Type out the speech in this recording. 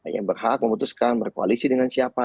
yang berhak memutuskan berkoalisi dengan siapa